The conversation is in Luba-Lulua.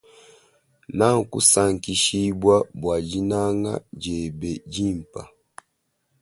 Na kusankishibwa bwa dinanga diebe dimpe.